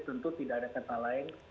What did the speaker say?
tentu tidak ada kata lain